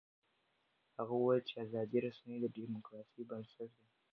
هغه وویل چې ازادې رسنۍ د ډیموکراسۍ بنسټ دی.